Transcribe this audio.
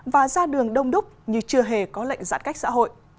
và ra đường đông đúc như chưa hề có lệnh giãn cách xã hội